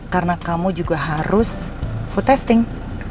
karena kamu juga harus food testing